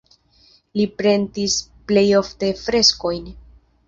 Li pentris plej ofte freskojn.